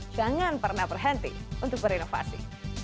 jangan pernah berhenti untuk berinovasi